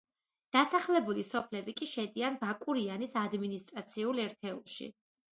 დასახლებული სოფლები კი შედიან ბაკურიანის ადმინისტრაციულ ერთეულში.